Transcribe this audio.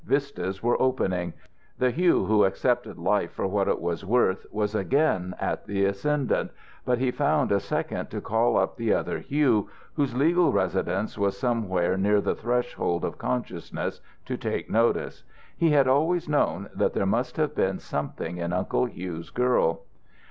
Vistas were opening. The Hugh who accepted life for what it was worth was again in the ascendant, but he found a second to call up the other Hugh, whose legal residence was somewhere near the threshold of consciousness, to take notice. He had always known that there must have been something in Uncle Hugh's girl.